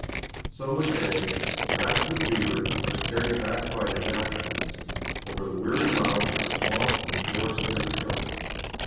So Mackay, racked with fever, was carried back by his Africans over the weary miles through swamp and forest to the coast.